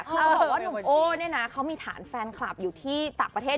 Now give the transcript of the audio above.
มึงแพนฟันคลับอยู่ที่ต่างประเทศ